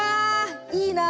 いいな。